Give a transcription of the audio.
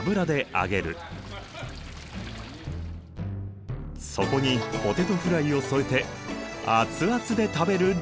そこにポテトフライを添えて熱々で食べる料理。